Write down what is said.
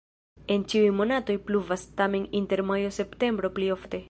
En ĉiuj monatoj pluvas, tamen inter majo-septembro pli ofte.